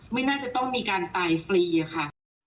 ไม่น่าจะต้องมีการตายฟรีค่ะ